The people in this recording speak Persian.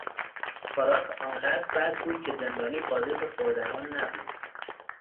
خوراک آنقدر بد بود که زندانی قادر به خوردن آن نبود.